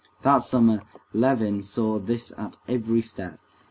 That summer Levin saw this at every step.